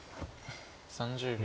３０秒。